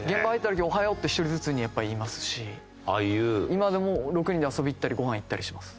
今でも６人で遊びに行ったりごはん行ったりします。